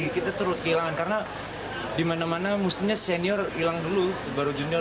kita turut kehilangan karena dimana mana mustinya senior hilang dulu baru junior